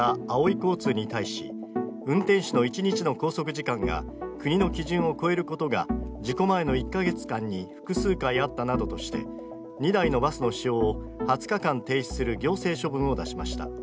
交通に対し運転手の一日の拘束時間が国の基準を超えることが事故前の１か月間に複数回あったなどとして２台のバスの使用を２０日間停止する行政処分を出しました。